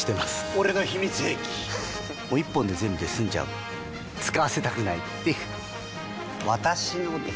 俺の秘密兵器１本で全部済んじゃう使わせたくないっていう私のです！